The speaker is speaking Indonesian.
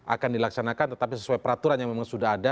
akan dilaksanakan tetapi sesuai peraturan yang memang sudah ada